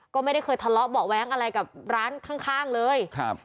ก็ไม่ได้เคยทะเลาะเบาะแว้งอะไรกับร้านข้างเลยครับ